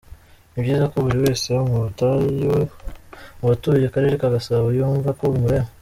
Ni byiza ko buri wese mu batuye Akarere ka Gasabo yumva ko bimureba.